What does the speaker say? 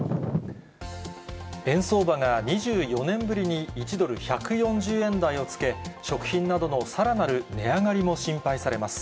円相場が２４年ぶりに、１ドル１４０円台をつけ、食品などのさらなる値上がりも心配されます。